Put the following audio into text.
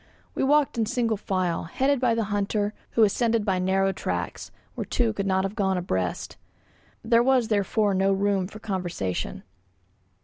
We walked in single file, headed by the hunter, who ascended by narrow tracks, where two could not have gone abreast. There was therefore no room for conversation.